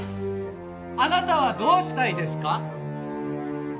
あなたはどうしたいですか？